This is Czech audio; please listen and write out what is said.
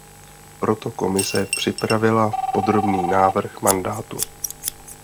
Proto Komise připravila podrobný návrh mandátu.